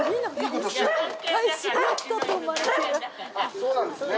そうなんですね。